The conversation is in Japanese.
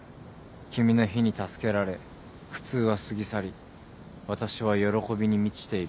君の火に助けられ苦痛は過ぎ去り私は喜びに満ちている」